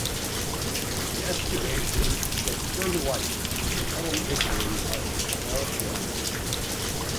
The excavation shed further light on the settlement history of Tel Shem.